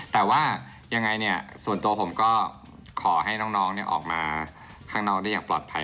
แต่ว่ายังไงเนี่ยส่วนตัวผมก็ขอให้น้องออกมาข้างนอกได้อย่างปลอดภัย